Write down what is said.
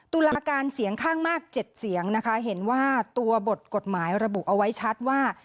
ตุลาการเสียงข้างมาก๗เสียงนะคะเห็นว่าตัวบทกฎหมายระบุเอาไว้ชัดว่า